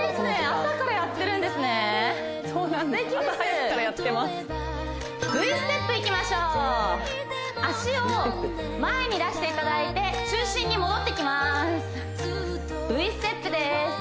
朝早くからやってますＶステップいきましょう脚を前に出していただいて中心に戻ってきますＶステップです